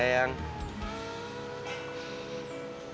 kalau aku liat liat